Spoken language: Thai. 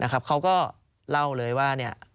นะครับเขาก็เล่าเลยว่า